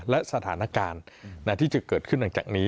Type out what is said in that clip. และสถานการณ์ที่จะเกิดขึ้นหลังจากนี้